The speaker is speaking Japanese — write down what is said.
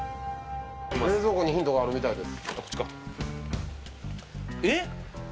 冷蔵庫にヒントがあるみたいです。